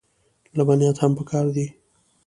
لبنیات هم پکار دي.